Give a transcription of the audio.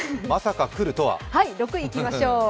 はい、６位いきましょう。